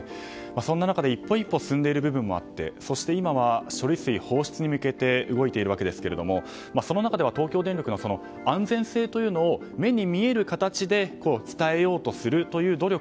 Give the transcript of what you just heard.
そんな中で一歩一歩進んでいる部分もあってそして今は処理水放出に向けて動いているわけですがその中では東京電力の安全性というのを目に見える形で伝えようとするという努力。